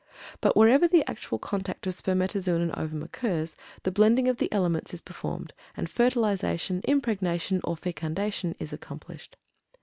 But wherever the actual contact of spermatozoon and ovum occurs, the blending of the elements is performed and fertilization, impregnation, or fecundation is accomplished.